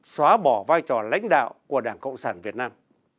xóa bỏ vai trò lãnh đạo của đảng cộng sản việt nam